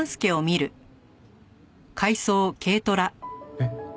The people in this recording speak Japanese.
えっ。